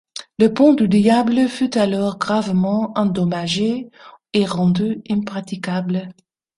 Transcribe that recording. Le pont du Diable fut alors gravement endommagé et rendu impraticable.